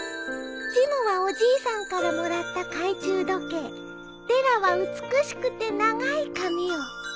「ジムはおじいさんからもらった懐中時計」「デラは美しくて長い髪を」